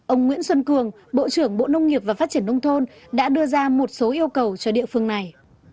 ông nguyễn xuân cường bộ trưởng bộ nông nghiệp và phát triển nông thôn đã đưa ra một số yêu cầu cho địa phương này